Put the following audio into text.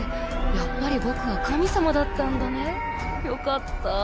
やっぱり僕は神様だったんだねよかった。